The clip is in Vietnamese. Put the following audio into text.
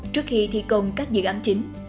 trước khi thi công các dự án chính